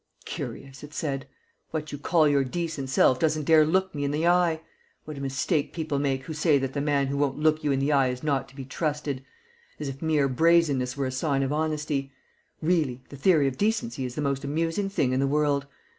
"Curious," it said. "What you call your decent self doesn't dare look me in the eye! What a mistake people make who say that the man who won't look you in the eye is not to be trusted! As if mere brazenness were a sign of honesty; really, the theory of decency is the most amusing thing in the world.